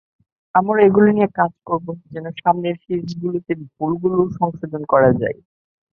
আমরা এগুলো নিয়ে কাজ করব, যেন সামনের সিরিজগুলোতে ভুলগুলো সংশোধন করা যায়।